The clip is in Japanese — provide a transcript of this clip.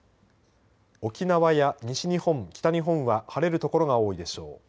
沖縄や西日本、北日本は晴れる所が多いでしょう。